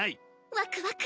ワクワク！